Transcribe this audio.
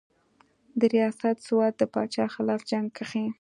درياست سوات د بادشاه خلاف جنګ کښې